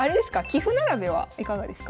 棋譜並べはいかがですか？